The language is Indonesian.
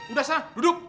udah sana duduk